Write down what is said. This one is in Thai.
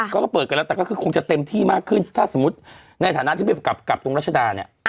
ก็เปิดกันแล้วแต่ก็คือคงจะเต็มที่มากขึ้นถ้าสมมุติในฐานะที่ไปกลับตรงรัชดาเนี่ย